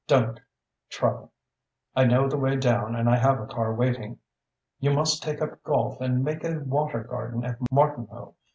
Don't trouble. I know the way down and I have a car waiting. You must take up golf and make a water garden at Martinhoe.